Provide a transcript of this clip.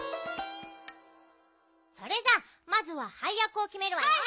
それじゃあまずははいやくをきめるわよ。